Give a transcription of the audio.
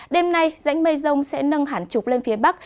đêm nay rãnh mây rông sẽ nâng hẳn trục lên phía bắc